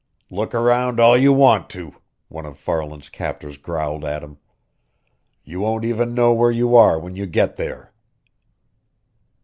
"Look around all you want to!" one of Farland's captors growled at him. "You won't even know where you are when you get there!"